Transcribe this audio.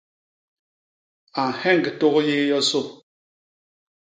A nheñg tôk yéé yosô.